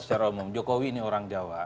secara umum jokowi ini orang jawa